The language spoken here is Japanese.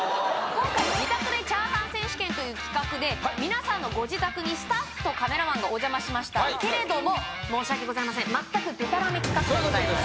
今回自宅でチャーハン選手権という企画で皆さんのご自宅にスタッフとカメラマンがお邪魔しましたけれども申し訳ございません全くでたらめ企画でございます